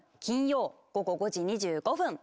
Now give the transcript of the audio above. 金曜午後５時２５分！